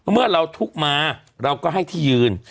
เมื่อเราทุกข์มาเราก็ให้ที่ยืน